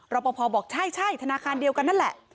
รอปภบอกใช่ธนาคารเดียวกันนั่นแหละ